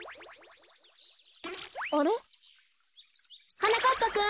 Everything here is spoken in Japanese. あれ？はなかっぱくん！